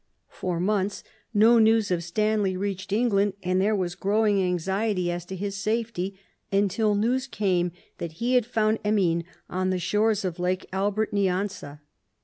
For months no news of Stanley reached England, and there was growing anxiety as to his safety, until news came that he had found Emin on the shores of Lake Albert Nyanza.